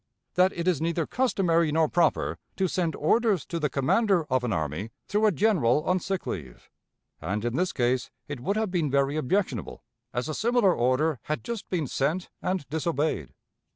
That it is neither customary nor proper to send orders to the commander of an army through a general on sick leave; and in this case it would have been very objectionable, as a similar order had just been sent and disobeyed.